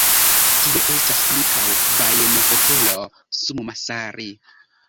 Tie estas ankaŭ bajenohotelo Summassaari.